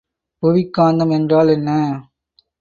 புவிக்காந்தம் என்றால் என்ன?